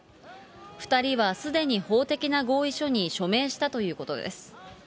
２人はすでに法的な合意書に署名したということです。